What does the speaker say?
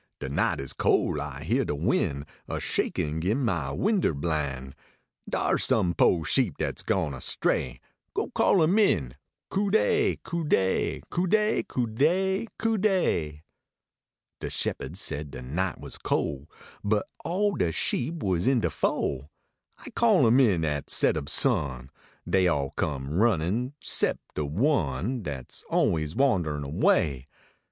De night is col I hear de win , A shakin gin my winder blin ; Dars some po sheep dat s gone astray Go call em in, Cu dey ! Cu dey ! Cu dey ! Cn dey ! Cu rley ! De shepa d said de night was col , But all rle sheep was in de fol*. I called em in at set ob sun : Dey all come runnin sep de one Dat s always wanderin away.